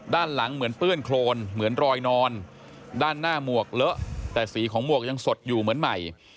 ด้านหลังเหมือนเปื้อนโครนเหมือนรอยนอนด้านหน้าหมวกเลอะแต่สีของหมวกยังสดอยู่เหมือนใหม่